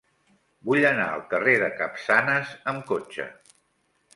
Vull anar al carrer de Capçanes amb cotxe.